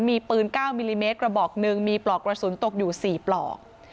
มีปืน๙มิลลิเมตรกระบอกหนึ่งมีปลอกกระสุนตกอยู่๔ปลอก